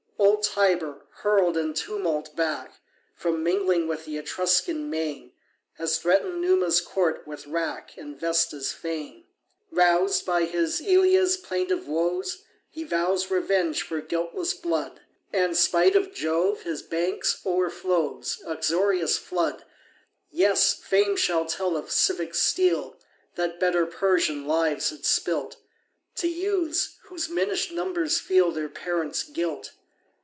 Old Tiber, hurl'd in tumult back From mingling with the Etruscan main, Has threaten'd Numa's court with wrack And Vesta's fane. Roused by his Ilia's plaintive woes, He vows revenge for guiltless blood, And, spite of Jove, his banks o'erflows, Uxorious flood. Yes, Fame shall tell of civic steel That better Persian lives had spilt, To youths, whose minish'd numbers feel Their parents' guilt.